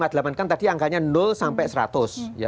nah kalau angka lima puluh delapan kan tadi angkanya sampai seratus